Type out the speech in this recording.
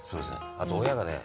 あと親がね